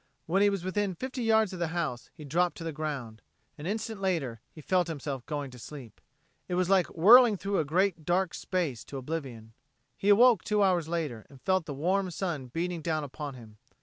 When he was within fifty yards of the house, he dropped to the ground. An instant later, he felt himself going to sleep. It was like whirling through a great dark space to oblivion. He awoke two hours later, and felt the warm sun beating down upon him.